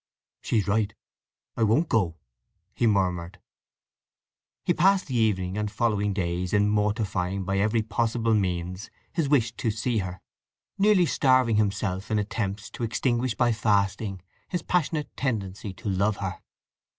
"She's right! I won't go!" he murmured. He passed the evening and following days in mortifying by every possible means his wish to see her, nearly starving himself in attempts to extinguish by fasting his passionate tendency to love her.